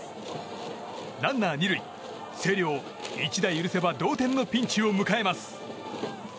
ランナー２塁、星稜、一打許せば同点のピンチを迎えます。